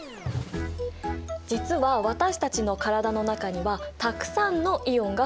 実は私たちの体の中にはたくさんのイオンが含まれている。